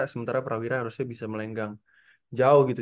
sementara prawira harusnya bisa melenggang jauh gitu